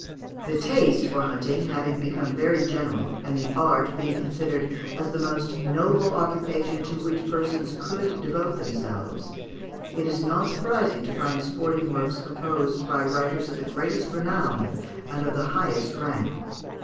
"] The taste for hunting having become very general, and the art being considered as the most noble occupation to which persons could devote themselves, it is not surprising to find sporting works composed by writers of the greatest renown and of the highest rank.